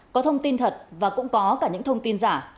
có thông tin thật và cũng có cả những thông tin giả